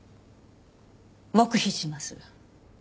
黙秘します。